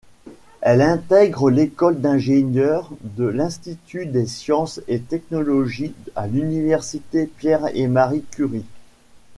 Elle intègre l'école d'ingénieur de l'institut des sciences et technologies à l'Université Pierre-et-Marie-Curie.